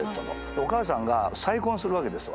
お母さんが再婚するわけですわ。